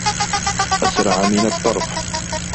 أسرع من الطرف